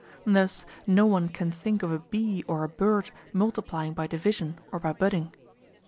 Thus, no one can think of a bee or a bird multiplying by division or by budding.